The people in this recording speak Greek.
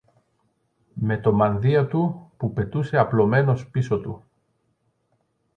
με το μανδύα του που πετούσε απλωμένος πίσω του